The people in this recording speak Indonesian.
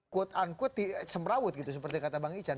quote unquote semrawut gitu seperti kata bang ican